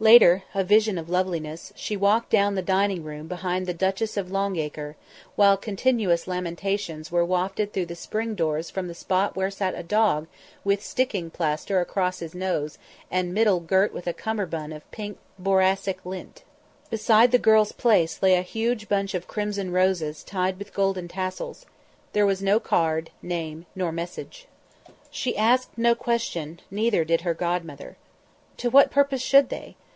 Later, a vision of loveliness, she walked down the dining room behind the Duchess of Longacres, whilst continuous lamentations were wafted through the spring doors from the spot where sat a dog with sticking plaster across his nose and middle girt with a cummerbund of pink boracic lint. Beside the girl's place lay a huge bunch of crimson roses tied with golden tassels; there was no card, name nor message. She asked no question, neither did her godmother. To what purpose should they?